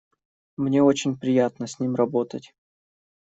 Мне очень приятно с ним работать.